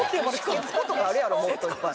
「せつこ」とかあるやろもっといっぱい。